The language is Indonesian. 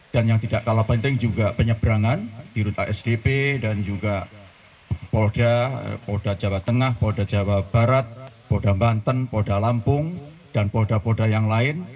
dan yang tidak kalah penting juga penyeberangan di ruta sdp dan juga poda poda jawa tengah poda jawa barat poda banten poda lampung dan poda poda yang lain